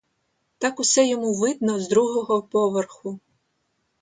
Так усе йому видно з другого поверху.